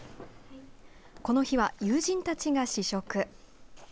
この日は友人たちが試食。